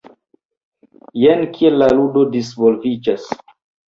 Jen kiel la ludo disvolviĝas.